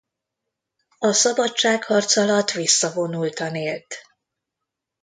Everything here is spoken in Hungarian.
A szabadságharc alatt visszavonultan élt.